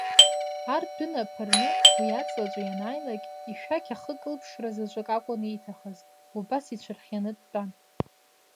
Ардәына ԥырны уи аҵлаҿы ианааилак, ишәақь ахы акылԥшра заҵәык акәын ииҭахыз, убас иҽырхианы дтәан.